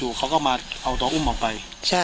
แล้วเขาก็เดินเข้าไปรับอุ้มข้างใน